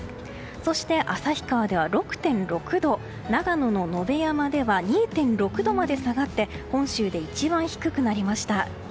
そして、旭川では６．６度長野の野辺山では２．６度まで下がって本州で一番低くなりました。